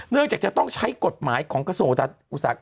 จากจะต้องใช้กฎหมายของกระทรวงอุตสาหกรรม